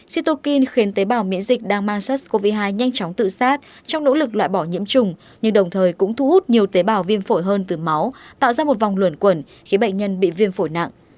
sitokin khiến tế bào miễn dịch đang mang sars cov hai nhanh chóng tự sát trong nỗ lực loại bỏ nhiễm trùng nhưng đồng thời cũng thu hút nhiều tế bào viêm phổi hơn từ máu tạo ra một vòng luẩn quẩn khiến bệnh nhân bị viêm phổi nặng